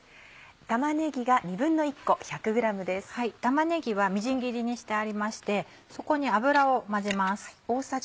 玉ねぎはみじん切りにしてありましてそこに油を混ぜます。